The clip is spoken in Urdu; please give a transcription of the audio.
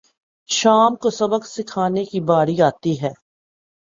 شام کو سبق سکھانے کی باری آتی ہے